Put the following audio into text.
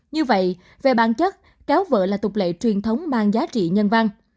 như vậy về bản chất cáo vợ là tục lệ truyền thống mang giá trị nhân văn